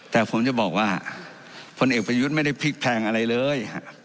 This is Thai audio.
แต่ผมจะบอกว่าพลเอกประยุทธ์ไม่ได้พลิกแพงอะไรเลย